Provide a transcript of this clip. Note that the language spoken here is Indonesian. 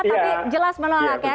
tapi jelas menolak ya